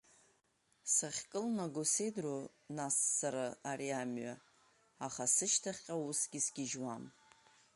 Сахькылнаго сеидроу нас сара ари амҩа, аха сышьҭахьҟа усгьы сгьежьуам.